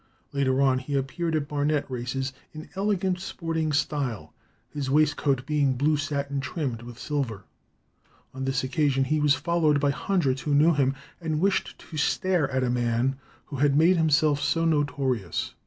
Later on he appeared at Barnet races in elegant sporting style, his waistcoat being blue satin trimmed with silver. On this occasion he was followed by hundreds who knew him, and wished to stare at a man who had made himself so notorious.